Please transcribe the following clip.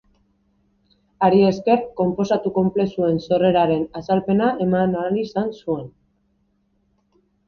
Hari esker, konposatu konplexuen sorreraren azalpena eman ahal izan zuen.